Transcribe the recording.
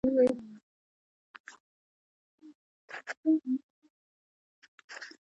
لاستی يې وڅرخوه.